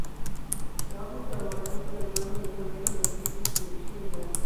Trabaja en colaboración con Armando Manzanero en proyectos de televisión y radio.